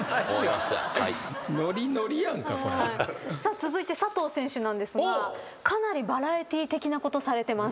続いて佐藤選手なんですがかなりバラエティー的なことされてます。